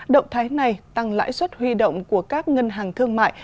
động thái này tăng lãi suất huy động của các ngân hàng thương mại